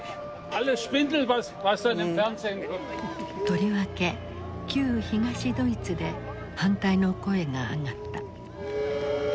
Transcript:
とりわけ旧東ドイツで反対の声が上がった。